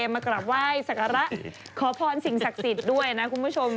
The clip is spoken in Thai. มากราบไหว้สักการะขอพรสิ่งศักดิ์สิทธิ์ด้วยนะคุณผู้ชม